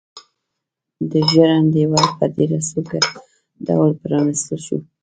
د ژرندې ور په ډېر سوکه ډول پرانيستل شو.